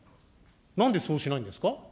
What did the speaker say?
なんでそうしないんですか。